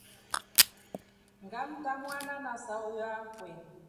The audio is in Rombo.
Ngamta mwana na sauyo akwe.